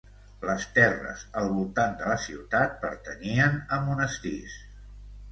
Les terres al voltant de la ciutat pertanyien a monestirs.